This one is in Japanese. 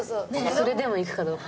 それでも行くかどうか。